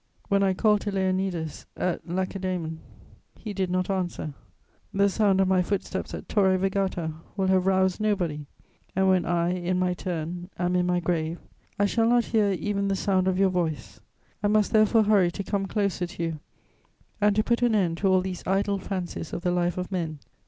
When I called to Leonidas at Lacedæmon, he did not answer: the sound of my footsteps at Torre Vergata will have roused nobody. And when I, in my turn, am in my grave, I shall not hear even the sound of your voice. I must therefore hurry to come closer to you and to put an end to all these idle fancies of the life of men.